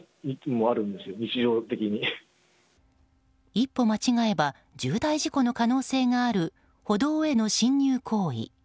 一歩間違えば重大事故の可能性がある歩道への侵入行為。